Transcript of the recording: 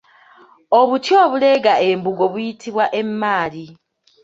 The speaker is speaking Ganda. Obuti obuleega embugo buyitibwa emmaali